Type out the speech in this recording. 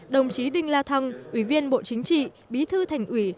đồng chí đinh la thăng ủy viên bộ chính trị bí thư thành ủy